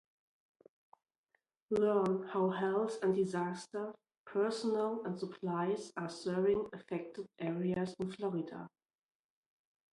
Learn how health and disaster personnel and supplies are serving affected areas in Florida.